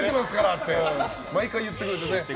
毎回言ってくれてね。